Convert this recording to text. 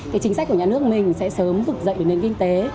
cái chính sách của nhà nước mình sẽ sớm vực dậy được nền kinh tế